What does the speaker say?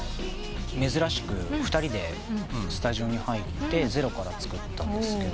珍しく２人でスタジオに入ってゼロから作ったんですけど。